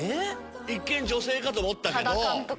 一見女性かと思ったけど。